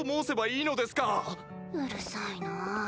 うるさいなぁ。